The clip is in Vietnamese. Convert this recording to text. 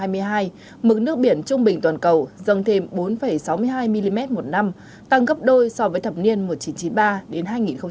mực nước biển trung bình toàn cầu dâng thêm bốn sáu mươi hai mm một năm tăng gấp đôi so với thập niên một nghìn chín trăm chín mươi ba đến hai nghìn hai